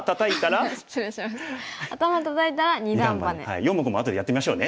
四目も後でやってみましょうね。